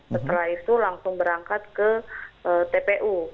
setelah itu langsung berangkat ke tpu